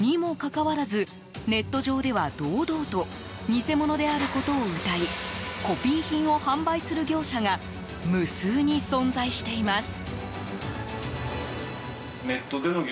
にもかかわらず、ネット上では堂々と偽物であることをうたいコピー品を販売する業者が無数に存在しています。